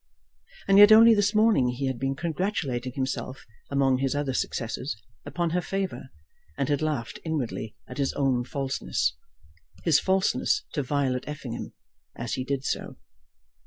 And yet only this morning he had been congratulating himself, among his other successes, upon her favour, and had laughed inwardly at his own falseness, his falseness to Violet Effingham, as he did so.